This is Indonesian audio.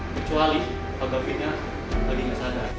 kecuali pak gaffinnya lagi gak sadar